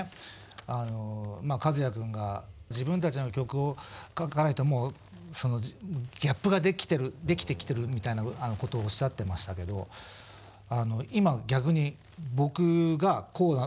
和也くんが自分たちの曲を書かないともうギャップができてきてるみたいなことをおっしゃってましたけど今逆に「お前何言ってんだよ！」